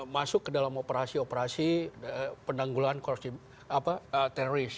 masuk ke dalam operasi operasi penanggulangan teroris